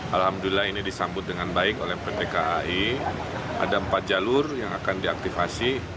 alhamdulillah ini disambut dengan baik oleh pt kai ada empat jalur yang akan diaktifasi